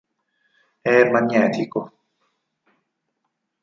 È magnetico.